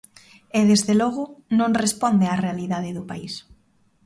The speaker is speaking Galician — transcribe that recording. E, desde logo, non responde á realidade do país.